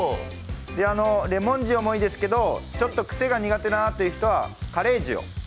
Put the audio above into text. レモン塩もいいですけどちょっと癖が苦手という人はカレー塩。